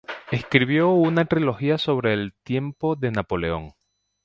Escribió una trilogía sobre el tiempo de Napoleón.